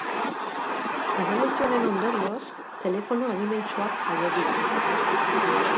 Eboluzio honen ondorioz, telefono adimentsuak jaio dira.